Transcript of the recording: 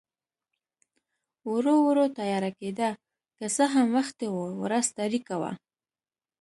ورو ورو تیاره کېده، که څه هم وختي و، ورځ تاریکه وه.